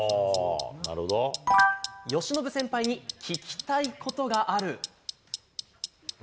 由伸先輩に聞きたいことがある。